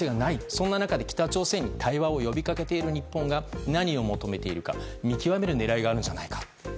そんな中で北朝鮮に対話を呼びかけている日本が何を求めているか見極める狙いがあるんじゃないか。